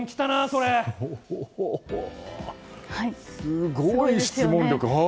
すごい質問力！